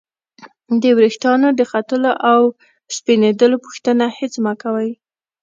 د ورېښتانو د ختلو او سپینیدلو پوښتنه هېڅ مه کوئ!